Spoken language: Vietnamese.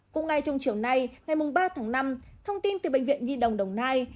cũng ngay trong chiều nay ngày ba tháng năm thông tin từ bệnh viện nhi đồng đồng nai